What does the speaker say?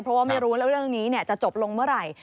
เพราะว่าไม่รู้แล้วเรื่องนี้จะจบลงเมื่อไหร่